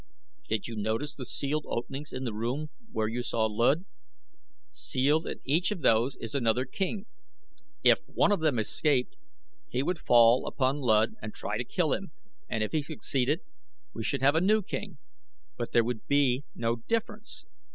Did you notice the sealed openings in the room where you saw Luud? Sealed in each of those is another king. If one of them escaped he would fall upon Luud and try to kill him and if he succeeded we should have a new king; but there would be no difference.